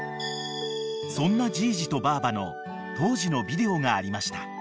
［そんなじいじとばあばの当時のビデオがありました］